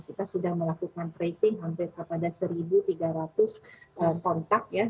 kita sudah melakukan tracing hampir kepada satu tiga ratus kontak ya